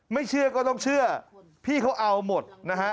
เชื่อก็ต้องเชื่อพี่เขาเอาหมดนะฮะ